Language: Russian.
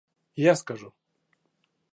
Я скажу.